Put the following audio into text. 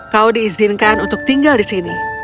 kau diizinkan untuk tinggal di sini